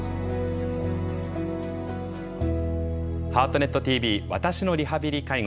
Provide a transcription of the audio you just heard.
「ハートネットＴＶ私のリハビリ・介護」。